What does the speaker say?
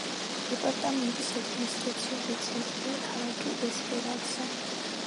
დეპარტამენტის ადმინისტრაციული ცენტრია ქალაქი ესპერანსა.